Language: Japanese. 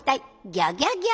ギョギョギョ！